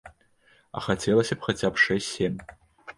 А хацелася б хаця б шэсць-сем.